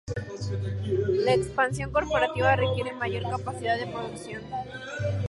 La expansión corporativa requiere mayor capacidad de producción.